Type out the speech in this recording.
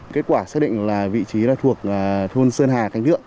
kết quả xác định là vị trí thuộc thôn sơn hà khánh thượng